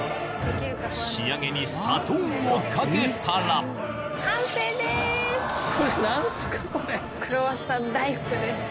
仕上げに砂糖をかけたらこれ何すか？